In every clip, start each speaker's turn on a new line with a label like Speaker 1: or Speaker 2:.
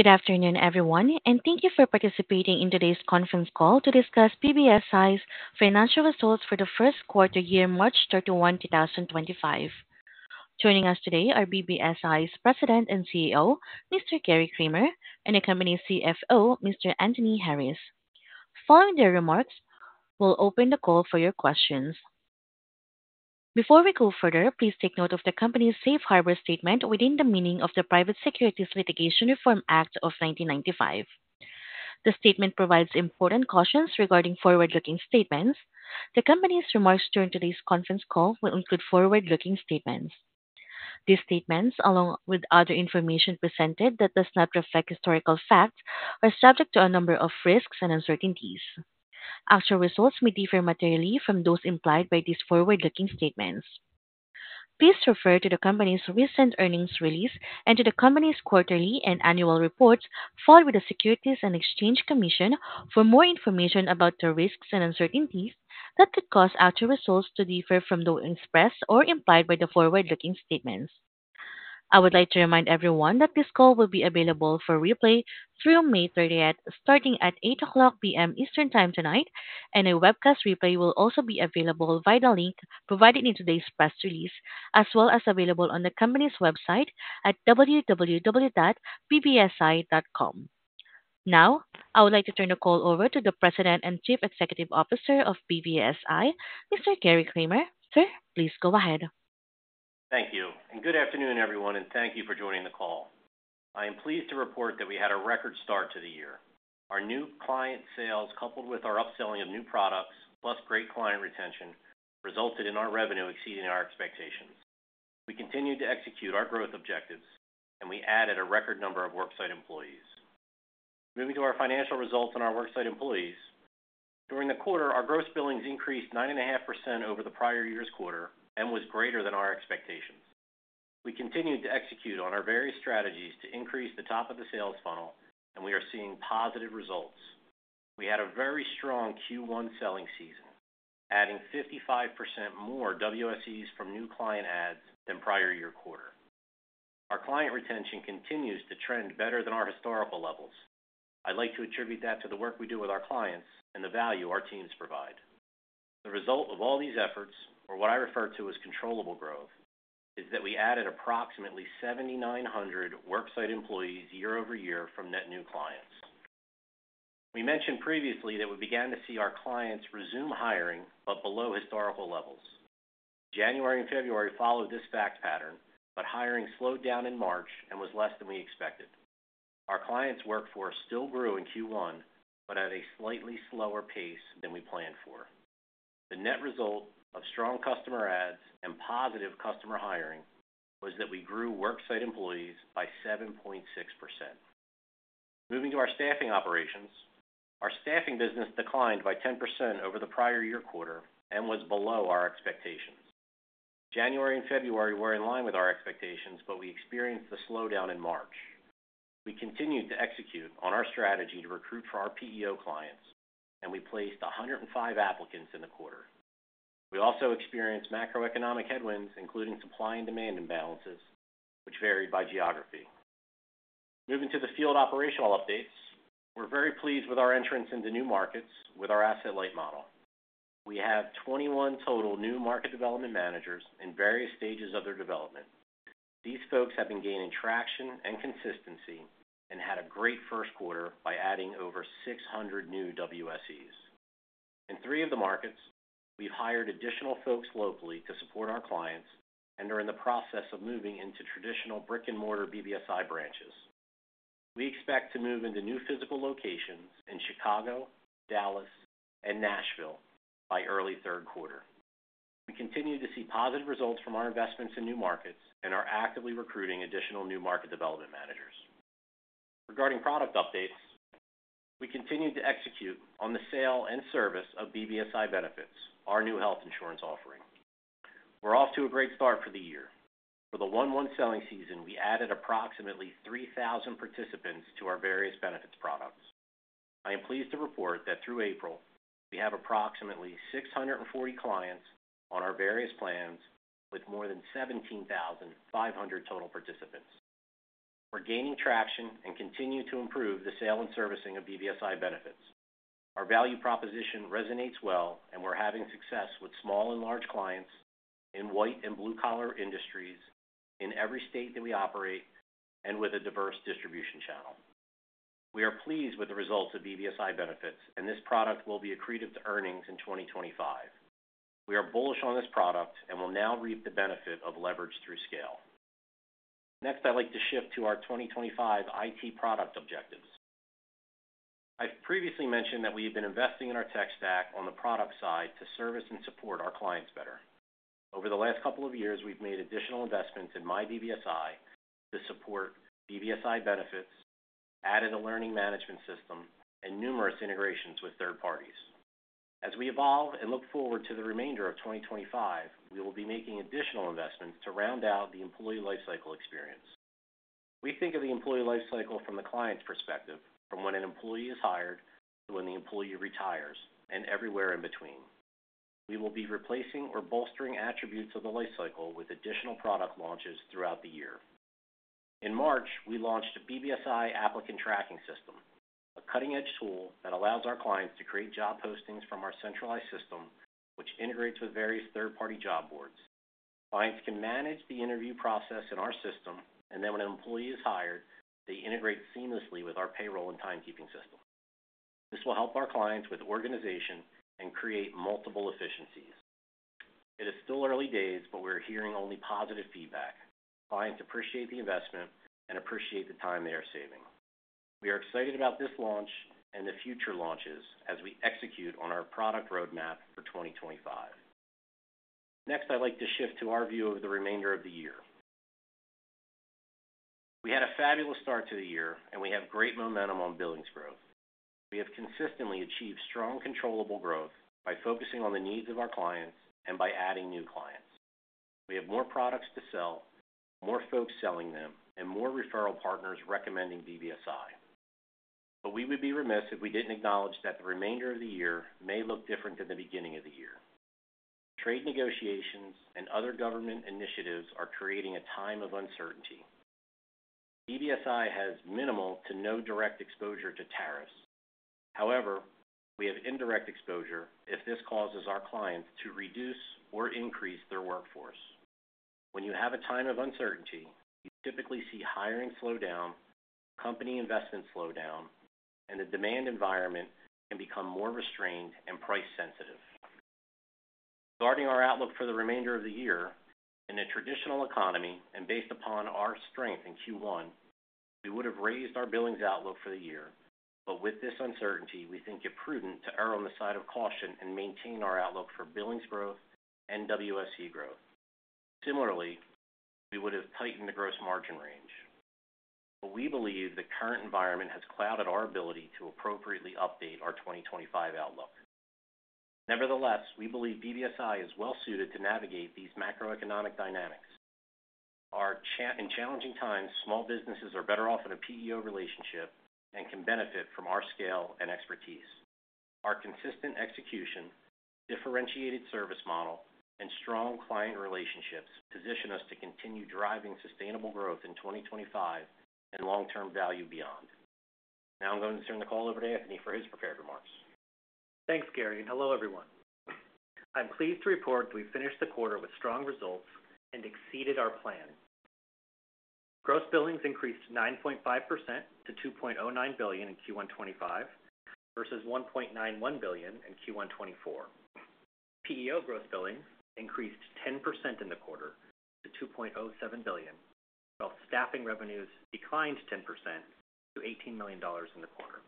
Speaker 1: Good afternoon, everyone, and thank you for participating in today's conference call to discuss BBSI's financial results for the first quarter year, March 31, 2025. Joining us today are BBSI's President and CEO, Mr. Gary Kramer, and the company's CFO, Mr. Anthony Harris. Following their remarks, we'll open the call for your questions. Before we go further, please take note of the company's safe harbor statement within the meaning of the Private Securities Litigation Reform Act of 1995. The statement provides important cautions regarding forward-looking statements. The company's remarks during today's conference call will include forward-looking statements. These statements, along with other information presented that does not reflect historical facts, are subject to a number of risks and uncertainties. Actual results may differ materially from those implied by these forward-looking statements. Please refer to the company's recent earnings release and to the company's quarterly and annual reports filed with the Securities and Exchange Commission for more information about the risks and uncertainties that could cause actual results to differ from those expressed or implied by the forward-looking statements. I would like to remind everyone that this call will be available for replay through May 30, starting at 8:00 P.M. Eastern Time tonight, and a webcast replay will also be available via the link provided in today's press release, as well as available on the company's website at www.bbsi.com. Now, I would like to turn the call over to the President and Chief Executive Officer of BBSI, Mr. Gary Kramer. Sir, please go ahead.
Speaker 2: Thank you. Good afternoon, everyone, and thank you for joining the call. I am pleased to report that we had a record start to the year. Our new client sales, coupled with our upselling of new products, plus great client retention, resulted in our revenue exceeding our expectations. We continued to execute our growth objectives, and we added a record number of worksite employees. Moving to our financial results on our worksite employees, during the quarter, our gross billings increased 9.5% over the prior year's quarter and was greater than our expectations. We continued to execute on our various strategies to increase the top of the sales funnel, and we are seeing positive results. We had a very strong Q1 selling season, adding 55% more WSEs from new client adds than prior year quarter. Our client retention continues to trend better than our historical levels. I'd like to attribute that to the work we do with our clients and the value our teams provide. The result of all these efforts, or what I refer to as controllable growth, is that we added approximately 7,900 worksite employees year-over-year from net new clients. We mentioned previously that we began to see our clients resume hiring, but below historical levels. January and February followed this fact pattern, but hiring slowed down in March and was less than we expected. Our clients' workforce still grew in Q1, but at a slightly slower pace than we planned for. The net result of strong customer adds and positive customer hiring was that we grew worksite employees by 7.6%. Moving to our staffing operations, our staffing business declined by 10% over the prior year quarter and was below our expectations. January and February were in line with our expectations, but we experienced a slowdown in March. We continued to execute on our strategy to recruit for our PEO clients, and we placed 105 applicants in the quarter. We also experienced macroeconomic headwinds, including supply and demand imbalances, which varied by geography. Moving to the field operational updates, we're very pleased with our entrance into new markets with our asset-light model. We have 21 total new market development managers in various stages of their development. These folks have been gaining traction and consistency and had a great first quarter by adding over 600 new WSEs. In three of the markets, we've hired additional folks locally to support our clients and are in the process of moving into traditional brick-and-mortar BBSI branches. We expect to move into new physical locations in Chicago, Dallas, and Nashville by early third quarter. We continue to see positive results from our investments in new markets and are actively recruiting additional new market development managers. Regarding product updates, we continue to execute on the sale and service of BBSI Benefits, our new health insurance offering. We're off to a great start for the year. For the 1/1 selling season, we added approximately 3,000 participants to our various benefits products. I am pleased to report that through April, we have approximately 640 clients on our various plans with more than 17,500 total participants. We're gaining traction and continue to improve the sale and servicing of BBSI Benefits. Our value proposition resonates well, and we're having success with small and large clients in white- and blue-collar industries in every state that we operate and with a diverse distribution channel. We are pleased with the results of BBSI Benefits, and this product will be accretive to earnings in 2025. We are bullish on this product and will now reap the benefit of leverage through scale. Next, I'd like to shift to our 2025 IT product objectives. I've previously mentioned that we have been investing in our tech stack on the product side to service and support our clients better. Over the last couple of years, we've made additional investments in myBBSI to support BBSI Benefits, added a learning management system, and numerous integrations with third parties. As we evolve and look forward to the remainder of 2025, we will be making additional investments to round out the employee lifecycle experience. We think of the employee lifecycle from the client's perspective, from when an employee is hired to when the employee retires and everywhere in between. We will be replacing or bolstering attributes of the lifecycle with additional product launches throughout the year. In March, we launched a BBSI Applicant Tracking System, a cutting-edge tool that allows our clients to create job postings from our centralized system, which integrates with various third-party job boards. Clients can manage the interview process in our system, and then when an employee is hired, they integrate seamlessly with our payroll and timekeeping system. This will help our clients with organization and create multiple efficiencies. It is still early days, but we're hearing only positive feedback. Clients appreciate the investment and appreciate the time they are saving. We are excited about this launch and the future launches as we execute on our product roadmap for 2025. Next, I'd like to shift to our view of the remainder of the year. We had a fabulous start to the year, and we have great momentum on billings growth. We have consistently achieved strong controllable growth by focusing on the needs of our clients and by adding new clients. We have more products to sell, more folks selling them, and more referral partners recommending BBSI. We would be remiss if we did not acknowledge that the remainder of the year may look different than the beginning of the year. Trade negotiations and other government initiatives are creating a time of uncertainty. BBSI has minimal to no direct exposure to tariffs. However, we have indirect exposure if this causes our clients to reduce or increase their workforce. When you have a time of uncertainty, you typically see hiring slow down, company investment slow down, and the demand environment can become more restrained and price-sensitive. Regarding our outlook for the remainder of the year, in a traditional economy and based upon our strength in Q1, we would have raised our billings outlook for the year, but with this uncertainty, we think it prudent to err on the side of caution and maintain our outlook for billings growth and WSE growth. Similarly, we would have tightened the gross margin range. We believe the current environment has clouded our ability to appropriately update our 2025 outlook. Nevertheless, we believe BBSI is well-suited to navigate these macroeconomic dynamics. In challenging times, small businesses are better off in a PEO relationship and can benefit from our scale and expertise. Our consistent execution, differentiated service model, and strong client relationships position us to continue driving sustainable growth in 2025 and long-term value beyond. Now I'm going to turn the call over to Anthony for his prepared remarks.
Speaker 3: Thanks, Gary. Hello, everyone. I'm pleased to report we finished the quarter with strong results and exceeded our plan. Gross billings increased 9.5% to $2.09 billion in Q1 2025 versus $1.91 billion in Q1 2024. PEO gross billings increased 10% in the quarter to $2.07 billion, while staffing revenues declined 10% to $18 million in the quarter.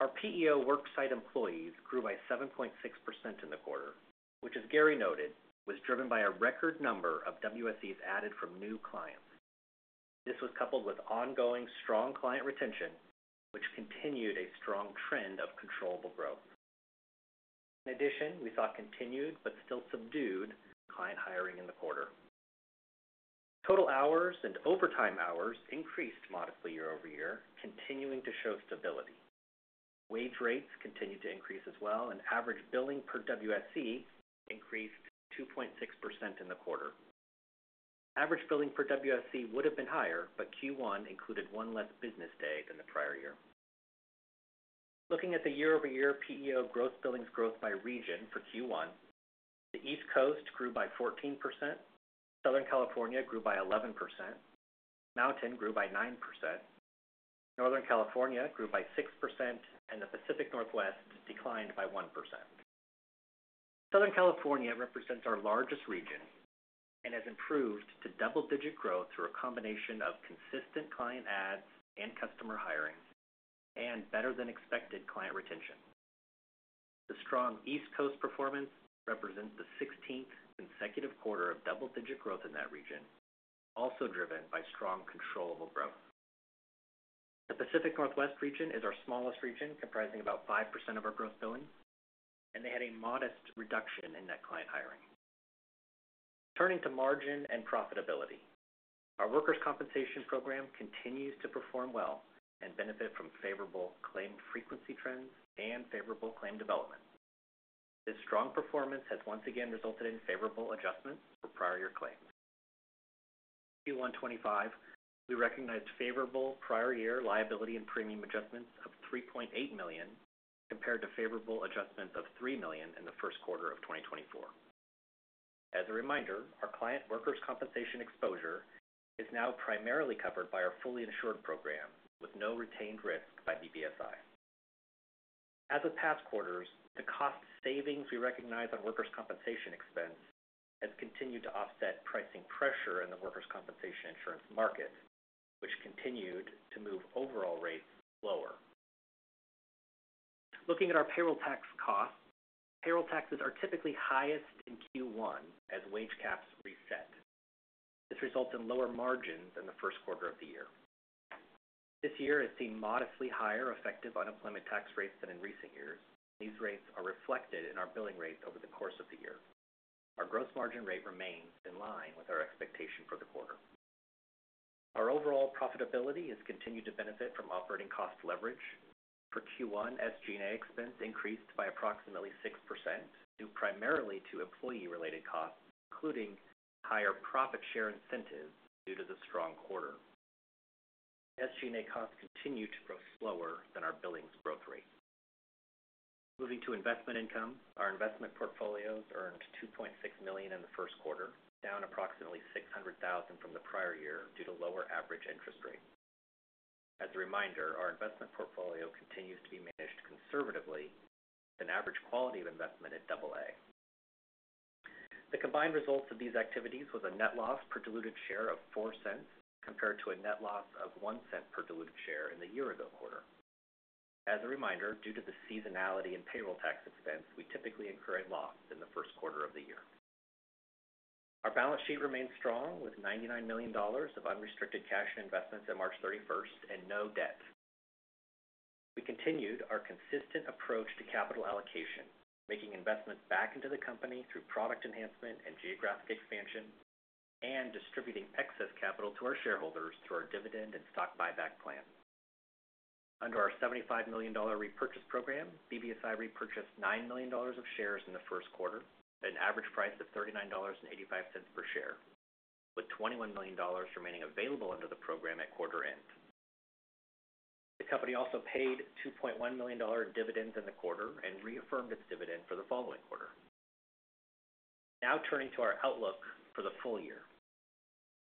Speaker 3: Our PEO worksite employees grew by 7.6% in the quarter, which, as Gary noted, was driven by a record number of WSEs added from new clients. This was coupled with ongoing strong client retention, which continued a strong trend of controllable growth. In addition, we saw continued but still subdued client hiring in the quarter. Total hours and overtime hours increased modestly year-over-year, continuing to show stability. Wage rates continued to increase as well, and average billing per WSE increased 2.6% in the quarter. Average billing per WSE would have been higher, but Q1 included one less business day than the prior year. Looking at the year-over-year PEO gross billings growth by region for Q1, the East Coast grew by 14%, Southern California grew by 11%, Mountain grew by 9%, Northern California grew by 6%, and the Pacific Northwest declined by 1%. Southern California represents our largest region and has improved to double-digit growth through a combination of consistent client adds and customer hiring and better-than-expected client retention. The strong East Coast performance represents the 16th consecutive quarter of double-digit growth in that region, also driven by strong controllable growth. The Pacific Northwest region is our smallest region, comprising about 5% of our gross billing, and they had a modest reduction in net client hiring. Turning to margin and profitability, our workers' compensation program continues to perform well and benefit from favorable claim frequency trends and favorable claim development. This strong performance has once again resulted in favorable adjustments for prior-year claims. In Q1 2025, we recognized favorable prior-year liability and premium adjustments of $3.8 million compared to favorable adjustments of $3 million in the first quarter of 2024. As a reminder, our client workers' compensation exposure is now primarily covered by our fully insured program with no retained risk by BBSI. As of past quarters, the cost savings we recognize on workers' compensation expense have continued to offset pricing pressure in the workers' compensation insurance market, which continued to move overall rates lower. Looking at our payroll tax costs, payroll taxes are typically highest in Q1 as wage caps reset. This results in lower margins in the first quarter of the year. This year has seen modestly higher effective unemployment tax rates than in recent years, and these rates are reflected in our billing rates over the course of the year. Our gross margin rate remains in line with our expectation for the quarter. Our overall profitability has continued to benefit from operating cost leverage. For Q1, SG&A expense increased by approximately 6% due primarily to employee-related costs, including higher profit share incentives due to the strong quarter. SG&A costs continue to grow slower than our billings growth rate. Moving to investment income, our investment portfolios earned $2.6 million in the first quarter, down approximately $600,000 from the prior year due to lower average interest rate. As a reminder, our investment portfolio continues to be managed conservatively with an average quality of investment at AA. The combined results of these activities were a net loss per diluted share of $0.04 compared to a net loss of $0.01 per diluted share in the year-ago quarter. As a reminder, due to the seasonality in payroll tax expense, we typically incur a loss in the first quarter of the year. Our balance sheet remained strong with $99 million of unrestricted cash and investments at March 31 and no debt. We continued our consistent approach to capital allocation, making investments back into the company through product enhancement and geographic expansion and distributing excess capital to our shareholders through our dividend and stock buyback plan. Under our $75 million repurchase program, BBSI repurchased $9 million of shares in the first quarter at an average price of $39.85 per share, with $21 million remaining available under the program at quarter end. The company also paid $2.1 million in dividends in the quarter and reaffirmed its dividend for the following quarter. Now turning to our outlook for the full year,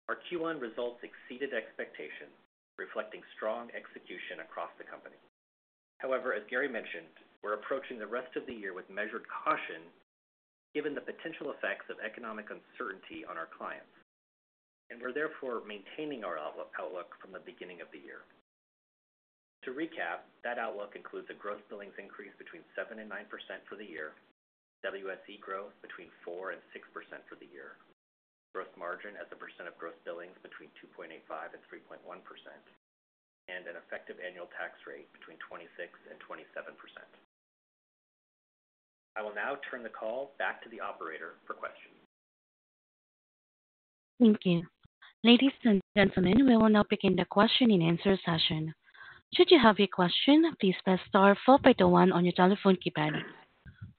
Speaker 3: our Q1 results exceeded expectations, reflecting strong execution across the company. However, as Gary mentioned, we're approaching the rest of the year with measured caution given the potential effects of economic uncertainty on our clients, and we're therefore maintaining our outlook from the beginning of the year. To recap, that outlook includes a gross billings increase between 7% and 9% for the year, WSE growth between 4% and 6% for the year, gross margin as a percent of gross billings between 2.85% and 3.1%, and an effective annual tax rate between 26% and 27%. I will now turn the call back to the operator for questions.
Speaker 1: Thank you. Ladies and gentlemen, we will now begin the question and answer session. Should you have a question, please press star four by the one on your telephone keypad.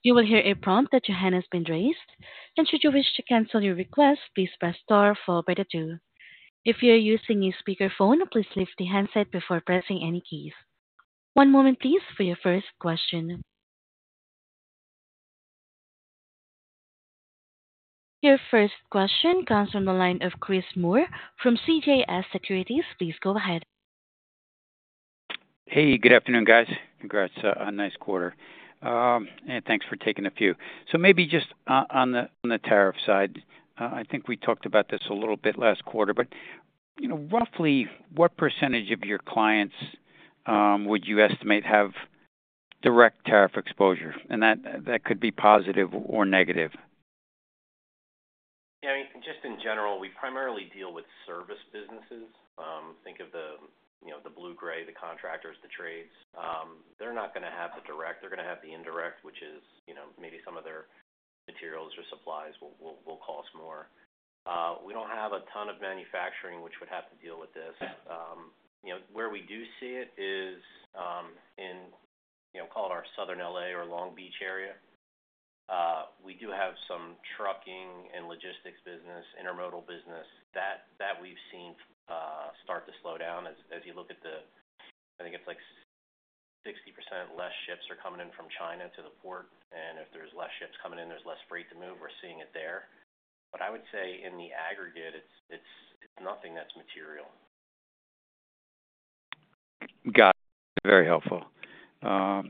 Speaker 1: You will hear a prompt that your hand has been raised, and should you wish to cancel your request, please press star four by the two. If you're using a speakerphone, please lift the handset before pressing any keys. One moment, please, for your first question. Your first question comes from the line of Chris Moore from CJS Securities. Please go ahead.
Speaker 4: Hey, good afternoon, guys. Congrats on a nice quarter, and thanks for taking a few. Maybe just on the tariff side, I think we talked about this a little bit last quarter, but roughly what percentage of your clients would you estimate have direct tariff exposure? That could be positive or negative.
Speaker 2: Yeah, I mean, just in general, we primarily deal with service businesses. Think of the blue, gray, the contractors, the trades. They're not going to have the direct. They're going to have the indirect, which is maybe some of their materials or supplies will cost more. We don't have a ton of manufacturing which would have to deal with this. Where we do see it is in, call it our Southern California or Long Beach area. We do have some trucking and logistics business, intermodal business. That we've seen start to slow down. As you look at the, I think it's like 60% less ships are coming in from China to the port, and if there's less ships coming in, there's less freight to move. We're seeing it there. I would say in the aggregate, it's nothing that's material.
Speaker 4: Got it. Very helpful. I've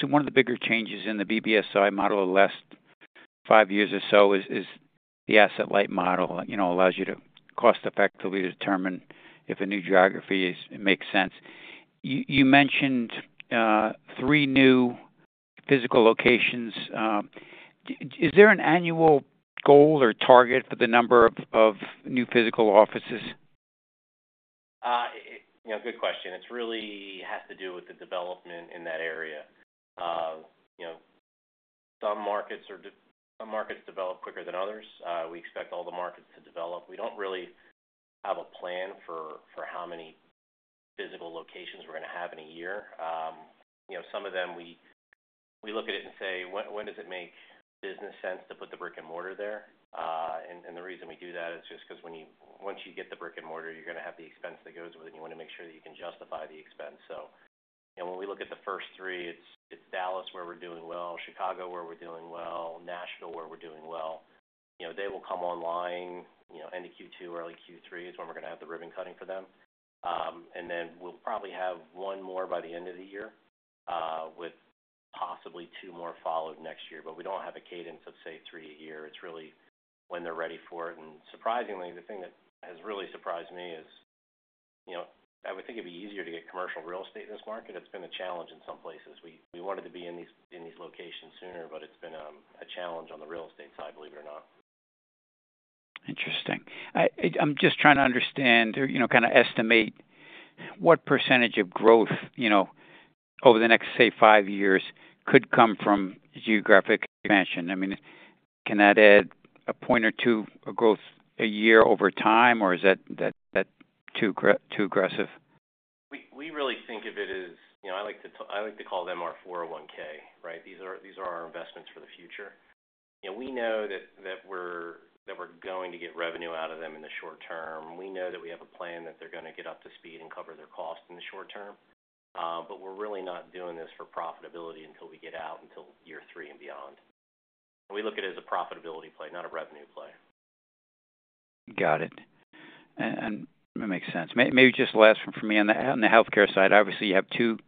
Speaker 4: seen one of the bigger changes in the BBSI model the last five years or so is the asset-light model. It allows you to cost-effectively determine if a new geography makes sense. You mentioned three new physical locations. Is there an annual goal or target for the number of new physical offices?
Speaker 2: Good question. It really has to do with the development in that area. Some markets develop quicker than others. We expect all the markets to develop. We do not really have a plan for how many physical locations we are going to have in a year. Some of them, we look at it and say, "When does it make business sense to put the brick and mortar there?" The reason we do that is just because once you get the brick and mortar, you are going to have the expense that goes with it, and you want to make sure that you can justify the expense. When we look at the first three, it is Dallas where we are doing well, Chicago where we are doing well, Nashville where we are doing well. They will come online. End of Q2, early Q3 is when we are going to have the ribbon cutting for them. We'll probably have one more by the end of the year with possibly two more followed next year, but we don't have a cadence of, say, three a year. It's really when they're ready for it. Surprisingly, the thing that has really surprised me is I would think it'd be easier to get commercial real estate in this market. It's been a challenge in some places. We wanted to be in these locations sooner, but it's been a challenge on the real estate side, believe it or not.
Speaker 4: Interesting. I'm just trying to understand or kind of estimate what percentage of growth over the next, say, five years could come from geographic expansion. I mean, can that add a point or two of growth a year over time, or is that too aggressive?
Speaker 2: We really think of it as I like to call them our 401(k), right? These are our investments for the future. We know that we're going to get revenue out of them in the short term. We know that we have a plan that they're going to get up to speed and cover their costs in the short term, but we're really not doing this for profitability until we get out until year three and beyond. We look at it as a profitability play, not a revenue play.
Speaker 4: Got it. That makes sense. Maybe just last from me on the healthcare side. Obviously, you have two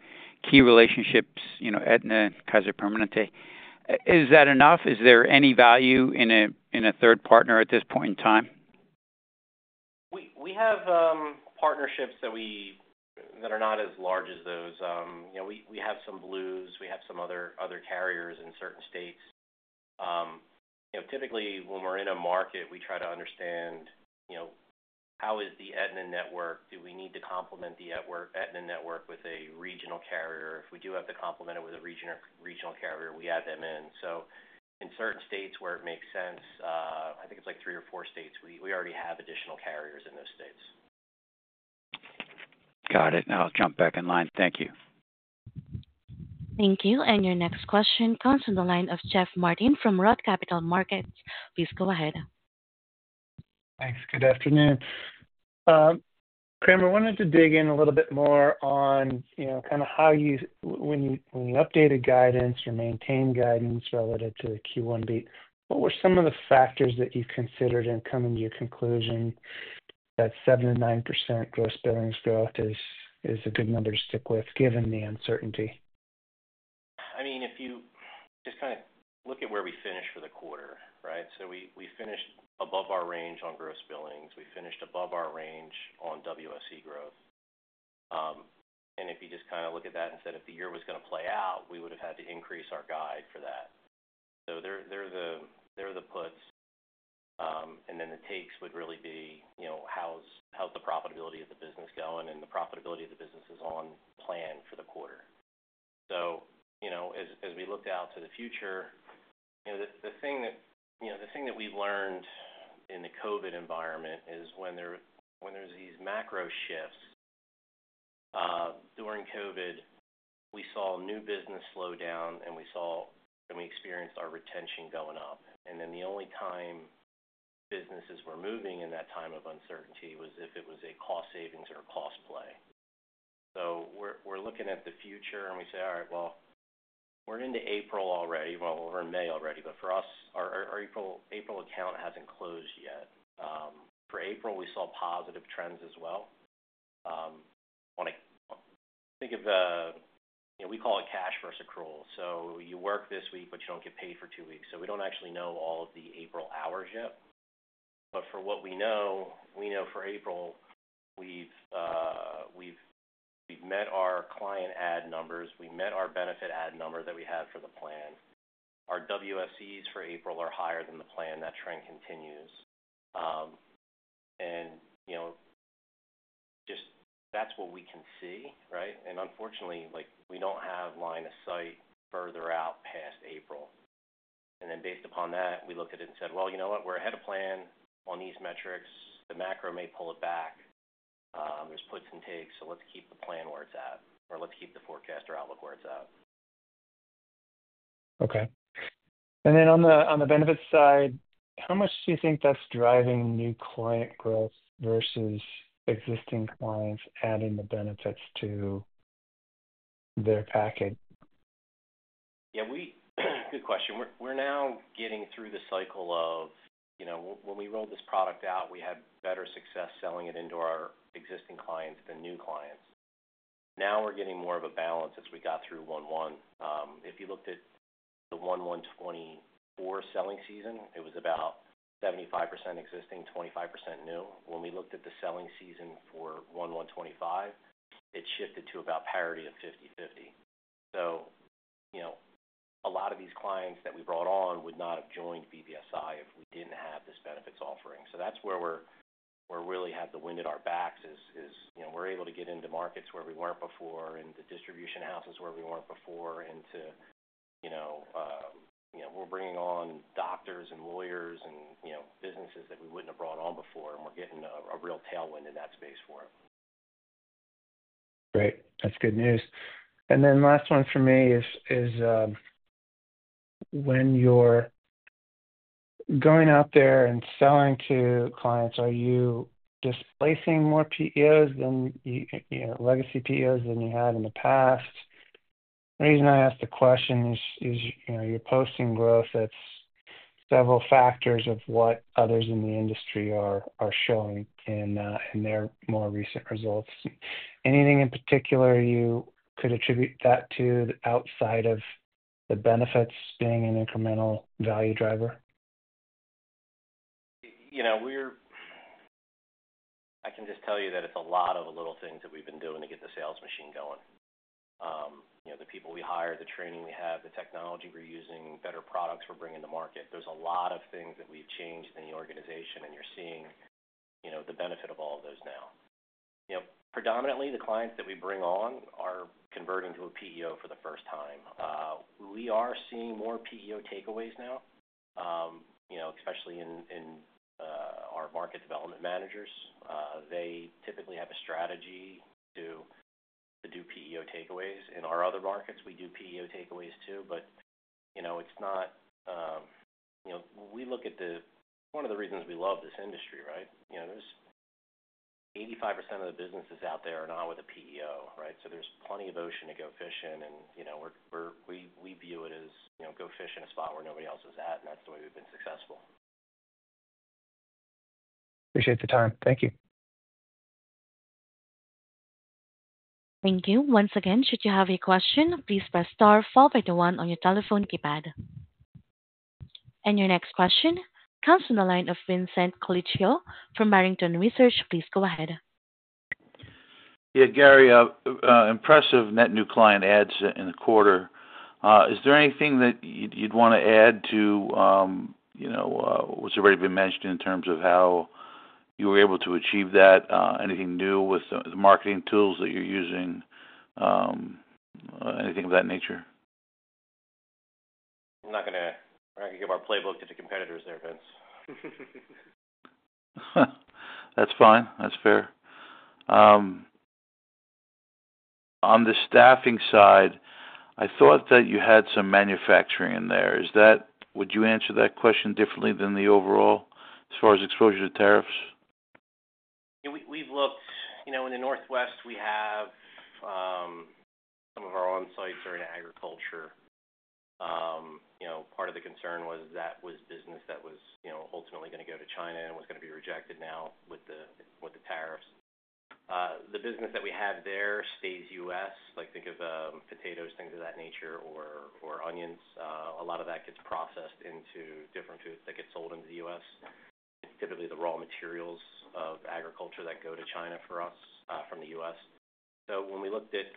Speaker 4: key relationships, Aetna and Kaiser Permanente. Is that enough? Is there any value in a third partner at this point in time?
Speaker 2: We have partnerships that are not as large as those. We have some Blues. We have some other carriers in certain states. Typically, when we're in a market, we try to understand how is the Aetna network? Do we need to complement the Aetna network with a regional carrier? If we do have to complement it with a regional carrier, we add them in. In certain states where it makes sense, I think it's like three or four states, we already have additional carriers in those states.
Speaker 4: Got it. I'll jump back in line. Thank you.
Speaker 1: Thank you. Your next question comes from the line of Jeff Martin from Roth Capital Markets. Please go ahead.
Speaker 5: Thanks. Good afternoon. Kramer, I wanted to dig in a little bit more on kind of how you, when you updated guidance or maintained guidance related to Q1, what were some of the factors that you considered in coming to your conclusion that 7%-9% gross billings growth is a good number to stick with given the uncertainty?
Speaker 2: I mean, if you just kind of look at where we finished for the quarter, right? We finished above our range on gross billings. We finished above our range on WSE growth. If you just kind of look at that and said if the year was going to play out, we would have had to increase our guide for that. They're the puts, and then the takes would really be how's the profitability of the business going, and the profitability of the business is on plan for the quarter. As we looked out to the future, the thing that we've learned in the COVID environment is when there's these macro shifts, during COVID, we saw new business slow down, and we experienced our retention going up. The only time businesses were moving in that time of uncertainty was if it was a cost savings or a cost play. We are looking at the future, and we say, "All right, we are into April already." We are in May already, but for us, our April account has not closed yet. For April, we saw positive trends as well. Think of the, we call it cash versus accrual. You work this week, but you do not get paid for two weeks. We do not actually know all of the April hours yet. For what we know, we know for April, we have met our client add numbers. We met our benefit add number that we had for the plan. Our WSEs for April are higher than the plan. That trend continues. That is what we can see, right? Unfortunately, we do not have line of sight further out past April. Based upon that, we looked at it and said, "You know what? We are ahead of plan on these metrics. The macro may pull it back. There are puts and takes, so let's keep the plan where it is at, or let's keep the forecast or outlook where it is at.
Speaker 5: Okay. On the benefits side, how much do you think that's driving new client growth versus existing clients adding the benefits to their packet?
Speaker 2: Yeah. Good question. We're now getting through the cycle of when we rolled this product out, we had better success selling it into our existing clients than new clients. Now we're getting more of a balance as we got through 1/1. If you looked at the 2024 selling season, it was about 75% existing, 25% new. When we looked at the selling season for 2025, it shifted to about parity of 50/50. A lot of these clients that we brought on would not have joined BBSI if we didn't have this benefits offering. That's where we really have the wind at our backs is we're able to get into markets where we weren't before and the distribution houses where we weren't before into we're bringing on doctors and lawyers and businesses that we wouldn't have brought on before, and we're getting a real tailwind in that space for it.
Speaker 5: Great. That's good news. The last one for me is when you're going out there and selling to clients, are you displacing more PEOs, more legacy PEOs than you had in the past? The reason I ask the question is you're posting growth that's several factors of what others in the industry are showing in their more recent results. Anything in particular you could attribute that to outside of the benefits being an incremental value driver?
Speaker 2: I can just tell you that it's a lot of the little things that we've been doing to get the sales machine going. The people we hire, the training we have, the technology we're using, better products we're bringing to market. There's a lot of things that we've changed in the organization, and you're seeing the benefit of all of those now. Predominantly, the clients that we bring on are converting to a PEO for the first time. We are seeing more PEO takeaways now, especially in our market development managers. They typically have a strategy to do PEO takeaways. In our other markets, we do PEO takeaways too, but it's not we look at the one of the reasons we love this industry, right? 85% of the businesses out there are not with a PEO, right? There's plenty of ocean to go fish in, and we view it as go fish in a spot where nobody else is at, and that's the way we've been successful.
Speaker 5: Appreciate the time. Thank you.
Speaker 1: Thank you. Once again, should you have a question, please press star four by the one on your telephone keypad. Your next question comes from the line of Vincent Colicchio from Barrington Research. Please go ahead.
Speaker 6: Yeah, Gary, impressive net new client adds in the quarter. Is there anything that you'd want to add to what's already been mentioned in terms of how you were able to achieve that? Anything new with the marketing tools that you're using? Anything of that nature?
Speaker 2: I'm not going to give our playbook to the competitors there, Vince.
Speaker 6: That's fine. That's fair. On the staffing side, I thought that you had some manufacturing in there. Would you answer that question differently than the overall as far as exposure to tariffs?
Speaker 2: We've looked in the Northwest, we have some of our on-sites are in agriculture. Part of the concern was that was business that was ultimately going to go to China and was going to be rejected now with the tariffs. The business that we have there stays U.S., like think of potatoes, things of that nature, or onions. A lot of that gets processed into different foods that get sold into the U.S. It's typically the raw materials of agriculture that go to China for us from the U.S. When we looked at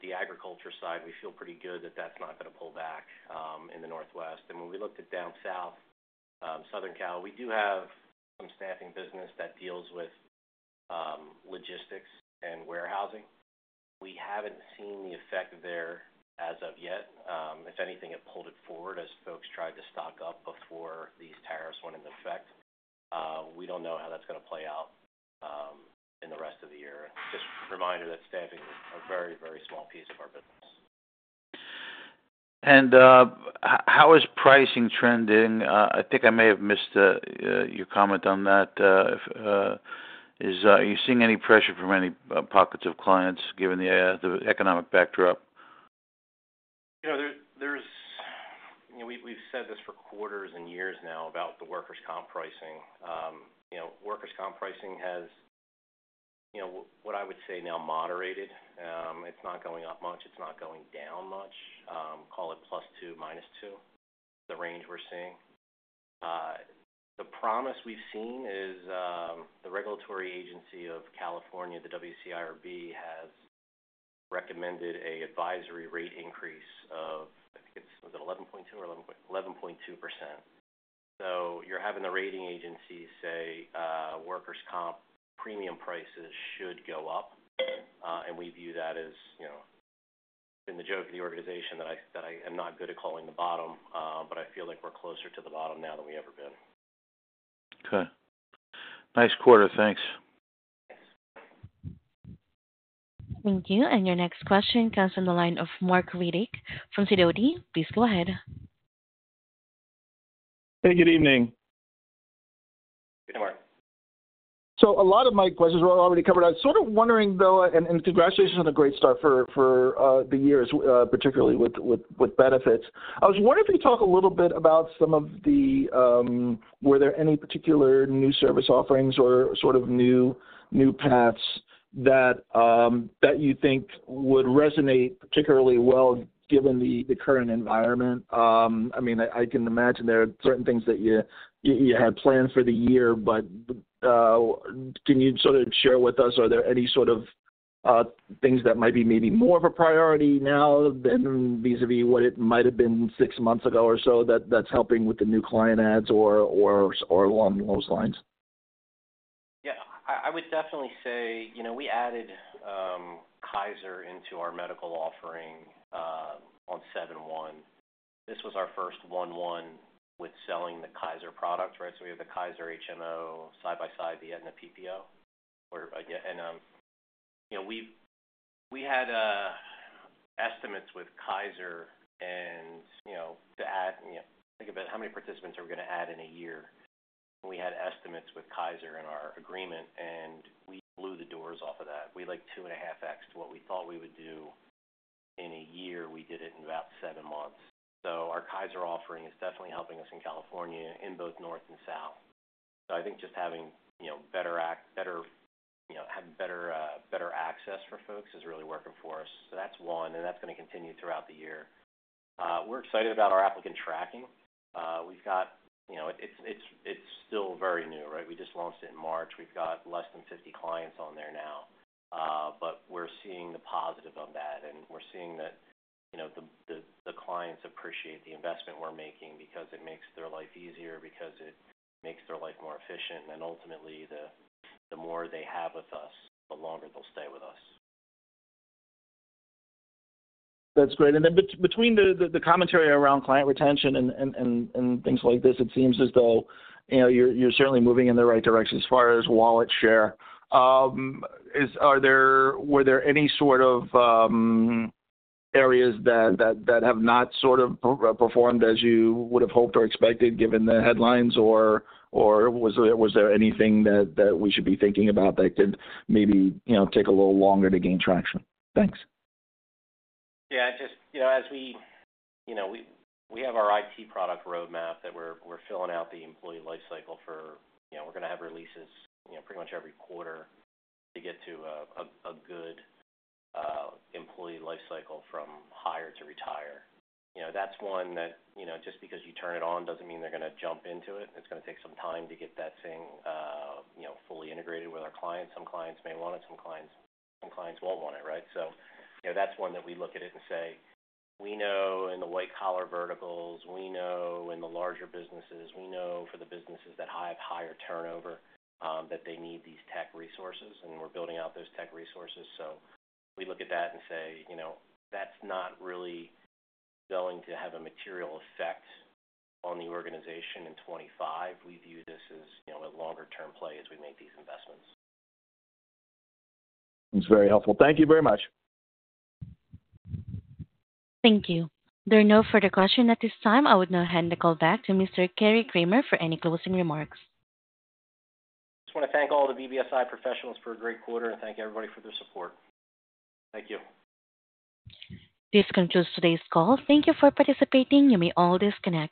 Speaker 2: the agriculture side, we feel pretty good that that's not going to pull back in the Northwest. When we looked at down south, Southern California, we do have some staffing business that deals with logistics and warehousing. We haven't seen the effect there as of yet. If anything, it pulled it forward as folks tried to stock up before these tariffs went into effect. We do not know how that is going to play out in the rest of the year. Just a reminder that staffing is a very, very small piece of our business.
Speaker 6: How is pricing trending? I think I may have missed your comment on that. Are you seeing any pressure from any pockets of clients given the economic backdrop?
Speaker 2: We've said this for quarters and years now about the workers' comp pricing. Workers' comp pricing has, what I would say now, moderated. It's not going up much. It's not going down much. Call it +2%, -2%, the range we're seeing. The promise we've seen is the regulatory agency of California, the WCIRB, has recommended an advisory rate increase of, I think it's, was it 11.2 or 11.2%? So you're having the rating agency say workers' comp premium prices should go up, and we view that as been the joke of the organization that I am not good at calling the bottom, but I feel like we're closer to the bottom now than we ever been.
Speaker 6: Okay. Nice quarter. Thanks.
Speaker 2: Thanks.
Speaker 1: Thank you. Your next question comes from the line of Marc Riddick from Sidoti. Please go ahead.
Speaker 7: Hey, good evening.
Speaker 2: Hey, Mark.
Speaker 7: A lot of my questions were already covered. I was sort of wondering, though, and congratulations on a great start for the year, particularly with benefits. I was wondering if you could talk a little bit about some of the, were there any particular new service offerings or sort of new paths that you think would resonate particularly well given the current environment? I mean, I can imagine there are certain things that you had planned for the year, but can you sort of share with us, are there any sort of things that might be maybe more of a priority now vis-à-vis what it might have been six months ago or so that's helping with the new client adds or along those lines?
Speaker 2: Yeah. I would definitely say we added Kaiser into our medical offering on 7/1. This was our first 1/1 with selling the Kaiser product, right? We have the Kaiser HMO side by side the Aetna PPO. We had estimates with Kaiser and to add, think about how many participants are we going to add in a year. We had estimates with Kaiser in our agreement, and we blew the doors off of that. We like 2.5x to what we thought we would do in a year. We did it in about seven months. Our Kaiser offering is definitely helping us in California in both north and south. I think just having better access for folks is really working for us. That is one, and that is going to continue throughout the year. We are excited about our applicant tracking. We've got, it's still very new, right? We just launched it in March. We've got less than 50 clients on there now, but we're seeing the positive of that, and we're seeing that the clients appreciate the investment we're making because it makes their life easier, because it makes their life more efficient, and then ultimately, the more they have with us, the longer they'll stay with us.
Speaker 7: That's great. Then between the commentary around client retention and things like this, it seems as though you're certainly moving in the right direction as far as wallet share. Were there any sort of areas that have not sort of performed as you would have hoped or expected given the headlines, or was there anything that we should be thinking about that could maybe take a little longer to gain traction? Thanks.
Speaker 2: Yeah. Just as we have our IT product roadmap that we're filling out the employee life cycle for, we're going to have releases pretty much every quarter to get to a good employee life cycle from hire to retire. That's one that just because you turn it on doesn't mean they're going to jump into it. It's going to take some time to get that thing fully integrated with our clients. Some clients may want it. Some clients won't want it, right? That's one that we look at it and say, "We know in the white-collar verticals, we know in the larger businesses, we know for the businesses that have higher turnover that they need these tech resources, and we're building out those tech resources." We look at that and say, "That's not really going to have a material effect on the organization in 2025." We view this as a longer-term play as we make these investments.
Speaker 7: That's very helpful. Thank you very much.
Speaker 1: Thank you. There are no further questions at this time. I would now hand the call back to Mr. Gary Kramer for any closing remarks.
Speaker 2: I just want to thank all the BBSI professionals for a great quarter and thank everybody for their support. Thank you.
Speaker 1: This concludes today's call. Thank you for participating. You may all disconnect.